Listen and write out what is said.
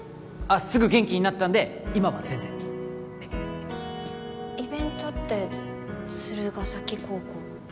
あすぐ元気になったんで今は全然ねっイベントって鶴ケ崎高校の？